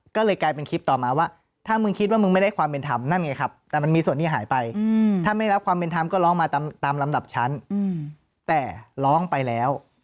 ก็เลยกลายเป็นคลิปต่อมาว่าถ้ามึงคิดว่ามึงไม่ได้ความเป็นธรรมนั่นไงครับแต่มันมีส่วนที่หายไปถ้าไม่รับความเป็นธรรมก็ร้องมาตามลำดับชั้นแต่ร้องไปแล้ว